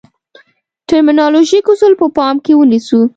ټرمینالوژیک اصل په پام کې ونیسو.